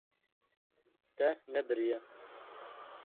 Te nebiriye.